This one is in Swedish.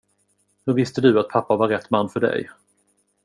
Hur visste du att pappa var rätt man för dig?